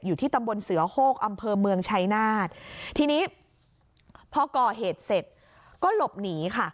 อยู่ที่ตำบลเสือโฮกอำเภอเมืองชัยนาธิ์ทีนี้พอก่อเหตุเสร็จก็หลบหนีค่ะ